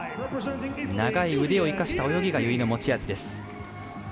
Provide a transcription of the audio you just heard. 長い腕を生かした泳ぎが由井の持ち味です。